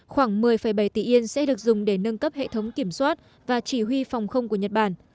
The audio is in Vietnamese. khoảng một mươi bảy tỷ yên sẽ được dùng để nâng cấp hệ thống kiểm soát và chỉ huy phòng không của nhật bản